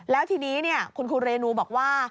แล้วทีนี้คุณครูเรนูบอกว่า